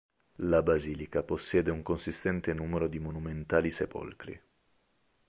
La basilica possiede un consistente numero di monumentali sepolcri.